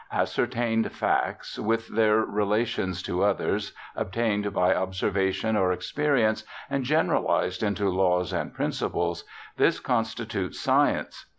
Ascertained facts, with their rela tions to others, obtained by observation or experience, and generalized into laws and principles— this constitutes 134 BIOGRAPHICAL ESSAYS science.